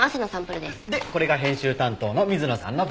でこれが編集担当の水野さんの分。